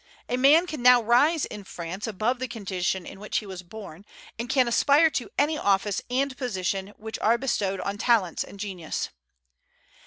A man can now rise in France above the condition in which he was born, and can aspire to any office and position which are bestowed on talents and genius.